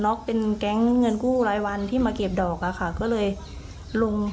็อกเป็นแก๊งเงินกู้รายวันที่มาเก็บดอกอะค่ะก็เลยลง